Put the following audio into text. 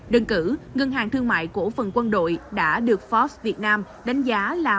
đơn cử ngân hàng thương mại cổ phần quân đội đã được forbes việt nam đánh giá là